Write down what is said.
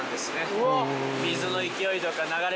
うわ。